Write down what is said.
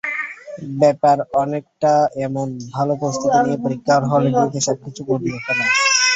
ব্যাপার অনেকটা এমন, ভালো প্রস্তুতি নিয়ে পরীক্ষার হলে ঢুকে সবকিছু গুলিয়ে ফেলা।